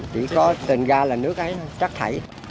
chỉ có tình ga là nước ấy chắc thảy